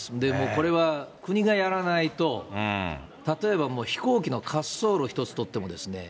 これは国がやらないと、例えばもう飛行機の滑走路一つとっても。